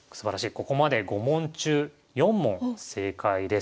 ここまで５問中４問正解です。